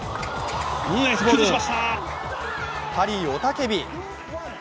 ハリー、雄たけび。